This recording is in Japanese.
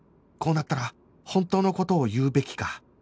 こうなったら本当の事を言うべきか？